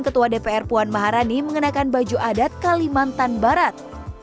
ketua dpr puan maharani mengenakan baju adat kalimantan barat